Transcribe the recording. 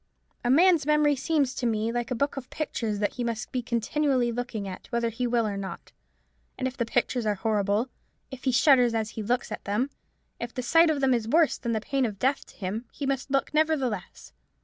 A man's memory seems to me like a book of pictures that he must be continually looking at, whether he will or not: and if the pictures are horrible, if he shudders as he looks at them, if the sight of them is worse than the pain of death to him, he must look nevertheless.